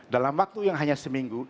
dalam waktu yang hanya seminggu